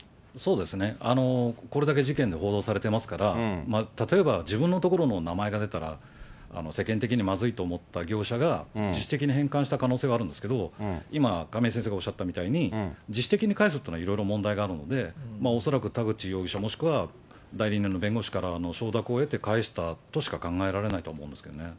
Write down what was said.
これだけ事件で報道されてますから、例えば自分のところの名前が出たら世間的にまずいと思った業者が、自主的に返還した可能性があるんですけれども、今、亀井先生がおっしゃったみたいに、自主的に返すというのはいろいろ問題があるので、恐らく田口容疑者もしくは代理人の弁護士からの承諾を得て返したとしか考えられないと思うんですけどね。